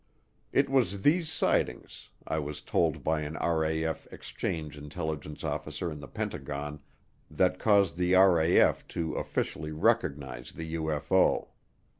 It was these sightings, I was told by an RAF exchange intelligence officer in the Pentagon, that caused the RAF to officially recognize the UFO.